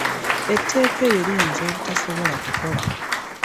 Etteeka eryo liyinza obutasobola kukola.